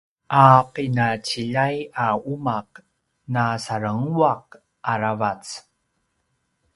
a qinaciljay a umaq na sarenguaq aravac